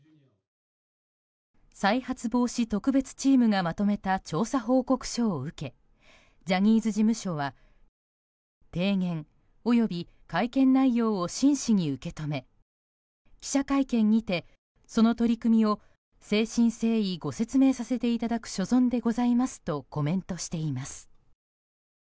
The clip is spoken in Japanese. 再発防止特別チームがまとめた調査報告書を受けジャニーズ事務所は、提言及び会見内容を真摯に受け止め記者会見にて、その取り組みを誠心誠意ご説明させていただく所存でございますとコメントしています。